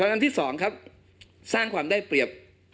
อันที่๒ครับสร้างความได้เปรียบ